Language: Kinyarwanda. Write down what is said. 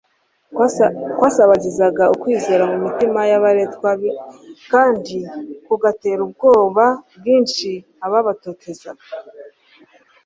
kwasabagizaga ukwizera mu mitima y’abaretwa kandi kugatera ubwoba bwinshi ababatotezaga,